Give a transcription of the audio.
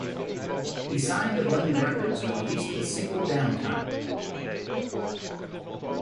He signed to London Records and released the single Downtime.